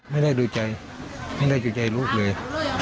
ไม่ได้ดูใจไม่ได้ดูใจลูกเลย